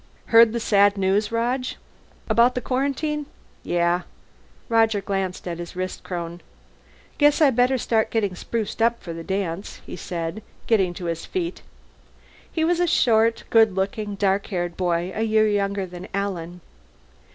"Heard the sad news, Rog?" "About the quarantine? Yeah." Roger glanced at his wristchron. "Guess I'd better start getting spruced up for the dance," he said, getting to his feet. He was a short, good looking, dark haired boy a year younger than Alan.